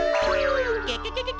ケケケケケ！